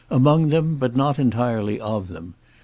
Among them, but not entirely of them.